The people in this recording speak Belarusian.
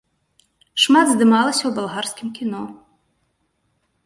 Шмат здымалася ў балгарскім кіно.